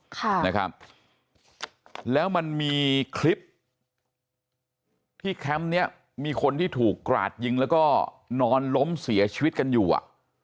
ค่ะนะครับแล้วมันมีคลิปที่แคมป์เนี้ยมีคนที่ถูกกราดยิงแล้วก็นอนล้มเสียชีวิตกันอยู่อ่ะ